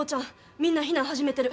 みんな避難始めてる。